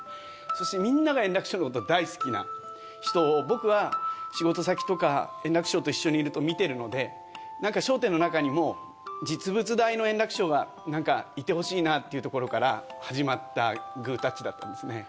そして、みんなが円楽師匠のこと大好きな人を僕は、仕事先とか、円楽師匠と一緒にいると、見てるので、笑点にいても、実物大の円楽師匠が、なんか、いてほしいなっていうところから始まったグータッチだったんですね。